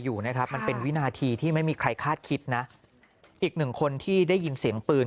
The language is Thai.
อยู่นะครับมันเป็นวินาทีที่ไม่มีใครคาดคิดนะอีกหนึ่งคนที่ได้ยินเสียงปืน